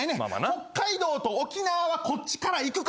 北海道と沖縄はこっちから行くから。